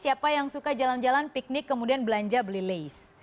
siapa yang suka jalan jalan piknik kemudian belanja beli lace